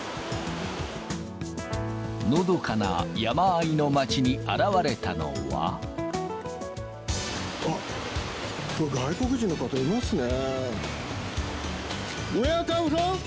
のどかな山あいの町に現れたあっ、外国人の方いますね。